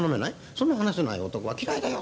そんな話せない男は嫌いだよ』